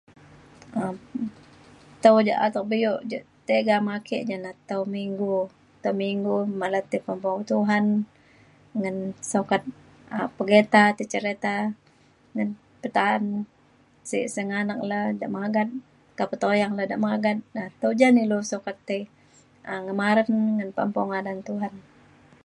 um tau ja’at bio je tiga me ake ja na tau minggu. tau minggu malai tai pemung Tuhan ngan sukat um te cerita ngan keta’an sek sengganak le de magat atau pa tuyang le de magat na tujen ilu sukat tai um ngemaren ngan pempo ngadan Tuhan.